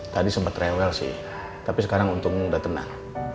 tadi sempat rewel sih tapi sekarang untungnya udah tenang